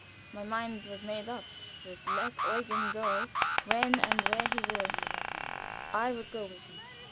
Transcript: My mind was made up, that let Eugen go when and where he would, I would go with him.